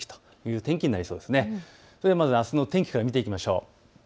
あすの天気から見ていきましょう。